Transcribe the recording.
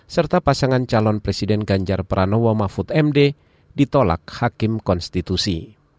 serta pasangan calon presiden ganjar pranowo mahfud md ditolak hakim konstitusi